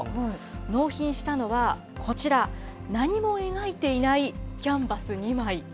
納品したのはこちら、何も描いていないキャンバス２枚。